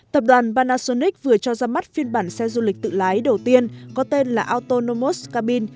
tập đoàn panasonic vừa cho ra mắt phiên bản xe du lịch tự lái đầu tiên có tên là auto nomous cabin